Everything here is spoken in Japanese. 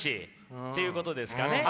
っていうことですかね。